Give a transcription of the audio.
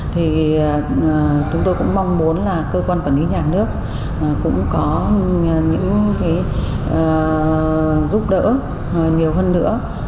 thì chúng tôi cũng mong muốn là cơ quan quản lý nhà nước cũng có những cái giúp đỡ nhiều hơn nữa